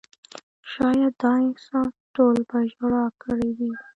شاید دا احساس ټول په ژړا کړي وو.